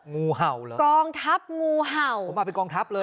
งูเห่าเหรอกองทัพงูเห่าผมมาเป็นกองทัพเลย